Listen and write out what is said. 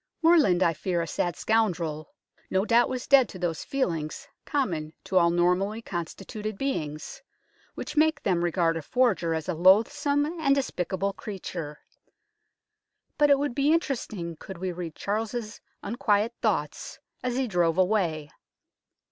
Morland, I fear a sad scoundrel, no doubt was dead to those feelings common to all normally constituted beings, which make them regard a forger as a loathsome and despicable creature ; but it would be interesting could we read Charles's unquiet thoughts as he drove away.